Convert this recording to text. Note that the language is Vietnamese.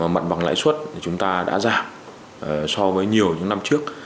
mặt bằng lãi suất thì chúng ta đã giảm so với nhiều năm trước